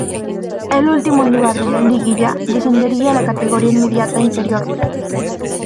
El último lugar de la liguilla, descendería a la categoría inmediata inferior.